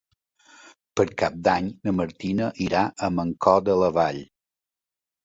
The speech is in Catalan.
Per Cap d'Any na Martina irà a Mancor de la Vall.